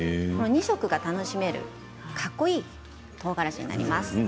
２色が楽しめるかっこいいとうがらしになります。